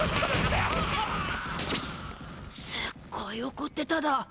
すっごいおこってただ。